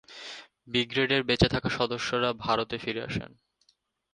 ব্রিগেডের বেঁচে থাকা সদস্যরা ভারতে ফিরে আসেন।